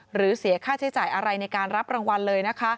หรือเสียค่าใช้จ่ายอะไรในการรับรางวัลเลยนะคะ